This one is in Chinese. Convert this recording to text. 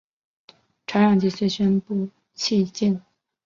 船长随即宣布弃舰。